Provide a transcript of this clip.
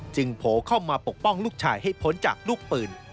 โผล่เข้ามาปกป้องลูกชายให้พ้นจากลูกปืน